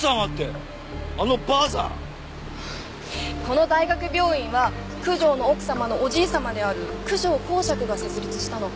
この大学病院は九条の奥様のおじい様である九条公爵が設立したの。